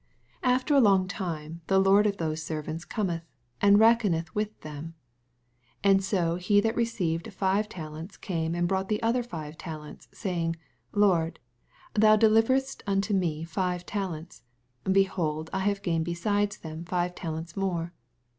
19 After a long time the lord of those servants cometh, andreckoneth with them. 20 And so he that had received five talents came aud brought other five talents, saying. Lord, thou deliveredst unto me five talents : behold, I have gained beside them five talents more.